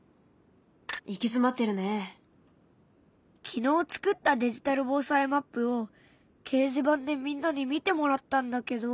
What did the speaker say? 昨日作ったデジタル防災マップを掲示板でみんなに見てもらったんだけど。